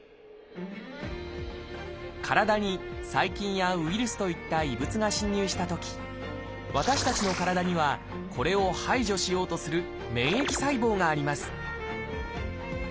体に細菌やウイルスといった異物が侵入したとき私たちの体にはこれを排除しようとする免疫細胞があります